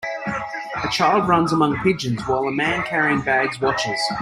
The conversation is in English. A child runs among pigeons, while a man carrying bags watches.